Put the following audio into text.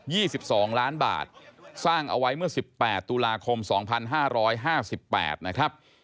ี่สิบสองล้านบาทสร้างเอาไว้เมื่อสิบแปดตุลาคมสองพันห้าร้อยห้าสิบแปดนะครับ